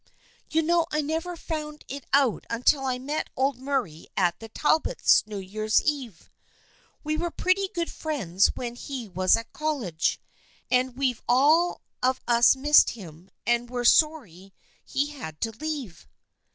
You know I never found it out until I met old Mur ray at the Talbots', New Year's Eve. We were pretty good friends when he was at college, and we've all of us missed him and were sorry he had to leave."